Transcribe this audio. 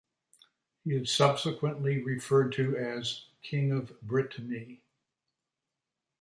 He is subsequently referred to as "King of Brittany".